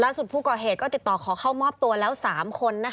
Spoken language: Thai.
ผู้ก่อเหตุก็ติดต่อขอเข้ามอบตัวแล้ว๓คน